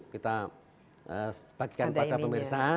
kita bagikan pada pemirsa